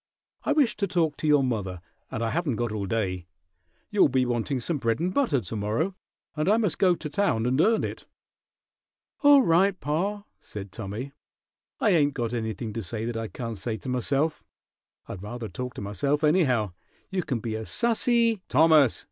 "I wish to talk to your mother, and I haven't got all day. You'll be wanting some bread and butter to morrow, and I must go to town and earn it." "All right, pa," said Tommy. "I ain't got anything to say that I can't say to myself. I'd rather talk to myself, anyhow. You can be as sassy " "Thomas!"